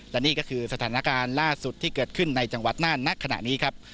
และนี่ก็คือสถานการณ์ล่าสุดที่เกิดขึ้นในจังหวัดน่านณขณะนี้ครับ